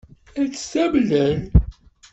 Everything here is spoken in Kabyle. Ad t-amnen?